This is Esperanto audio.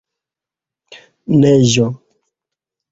neĝo